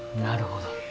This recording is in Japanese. なるほど。